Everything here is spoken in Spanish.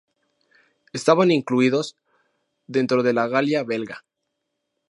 Estaban incluidos dentro de la Galia Belga.